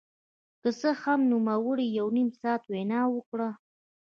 که څه هم نوموړي یو نیم ساعت وینا وکړه